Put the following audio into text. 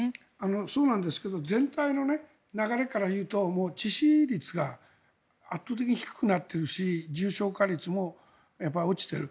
そうなんですけど全体の流れから言うと致死率が圧倒的に低くなっているし重症化率も落ちている。